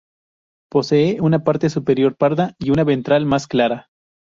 Posee una parte superior parda y una ventral más clara.